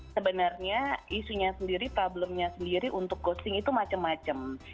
sebenarnya isunya sendiri problemnya sendiri untuk ghosting itu macam macam